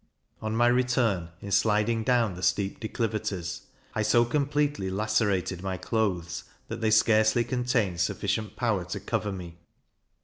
On my return, in sliding down the steep declivities, I so completely lacerated my clothes, that they scarcely contained sufficient power to cover me.